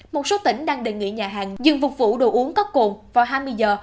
một số tỉnh đang đề nghị nhà hàng dừng phục vụ đồ uống có cồn vào hai mươi giờ